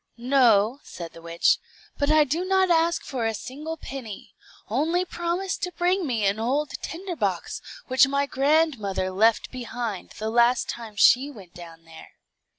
"No," said the witch; "but I do not ask for a single penny. Only promise to bring me an old tinder box, which my grandmother left behind the last time she went down there."